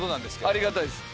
ありがたいです。